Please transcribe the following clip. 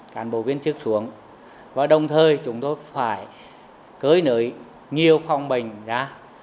cản bộ viên trước xuống và đồng thời chúng tôi phải cưới nửa nhiều phòng bệnh ra